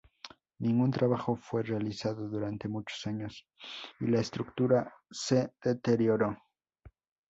Ningún trabajo fue realizado durante muchos años, y la estructura se deterioró.